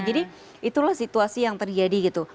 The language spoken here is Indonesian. jadi itulah situasi yang terjadi gitu